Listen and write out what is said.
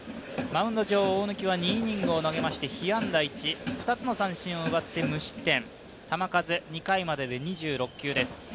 マウンド上の大貫は２安打を投げまして被安打１，２つの三振を奪って球数２回までで２６球です。